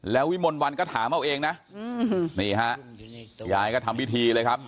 แล้ววิมลวันก็ถามเอาเองนะนี่ฮะยายก็ทำพิธีเลยครับ